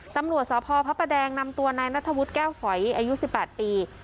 ตำรวจสพพระประแดงนำตัวนายนัทธวุฒิแก้วฝอยอายุ๑๘ปี